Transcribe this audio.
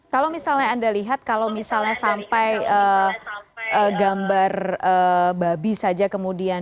kalau misalnya anda lihat kalau misalnya sampai gambar babi saja kemudian